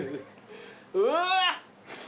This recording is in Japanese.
うわ！